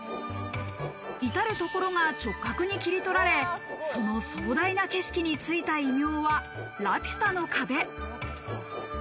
いたるところが直角に切り取られ、その壮大な景色についた異名は、ラピュタの壁。